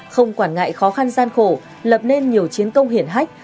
không quản ngại khó khăn gian khổ lập nên nhiều chiến công hiển hách